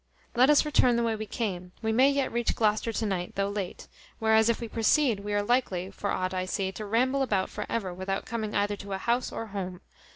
Let us return the way we came; we may yet reach Gloucester to night, though late; whereas, if we proceed, we are likely, for aught I see, to ramble about for ever without coming either to house or home."